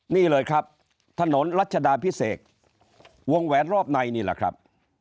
นี่เลยครับถนนรัชดาพิเศษวงแหวนรอบในนี่แหละครับ